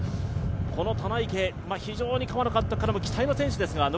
この棚池、非常に河野監督からも期待の選手ですが。